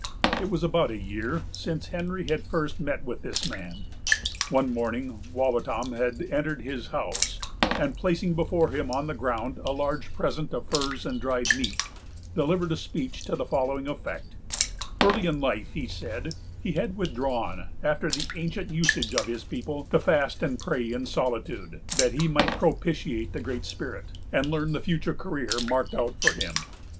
It was about a year since Henry had first met with this man. One morning, Wawatam had entered his house, and placing before him, on the ground, a large present of furs and dried meat, delivered a speech to the following effect: Early in life, he said, he had withdrawn, after the ancient usage of his people, to fast and pray in solitude, that he might propitiate the Great Spirit, and learn the future career marked out for him.